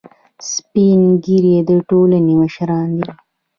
سپین ږیری د ټولنې مشران دي